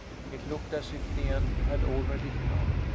It looked as if the end had already come.